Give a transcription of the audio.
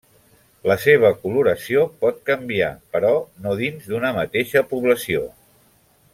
La seva coloració pot canviar, però no dins d'una mateixa població.